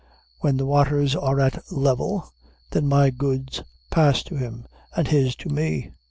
When the waters are at level, then my goods pass to him, and his to me.